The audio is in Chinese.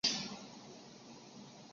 雷诺因此守住车队排名第四的位子。